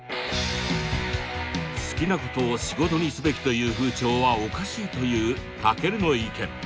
好きなことを仕事にすべきという風潮はおかしいというタケルの意見。